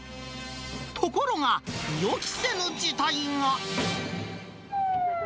ところが、予期せぬ事態が。